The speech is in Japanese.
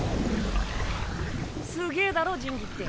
すげぇだろ神器って。